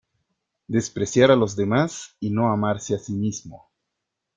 despreciar a los demás y no amarse a sí mismo.